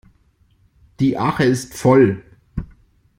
Die Arche ist voll.